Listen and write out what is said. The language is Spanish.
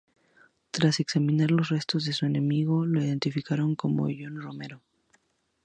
Tras examinar los restos de su enemigo lo identifican como John Romero.